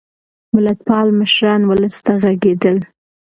ملتپال مشران ولس ته غږېدل.